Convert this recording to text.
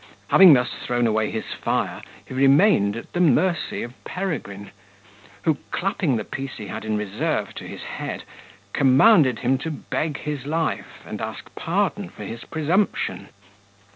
Having thus thrown away his fire, he remained at the mercy of Peregrine, who clapping the piece he had in reserve to his head, commanded him to beg his life, and ask pardon for his presumption.